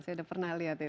saya sudah pernah lihat itu